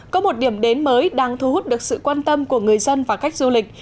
có một điểm đến mới đang thu hút được sự quan tâm của người dân và khách du lịch